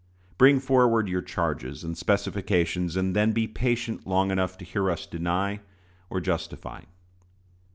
Bring forward your charges and specifications, and then be patient long enough to hear us deny or justify.